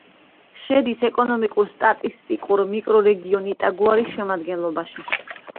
შედის ეკონომიკურ-სტატისტიკურ მიკრორეგიონ იტაგუარის შემადგენლობაში.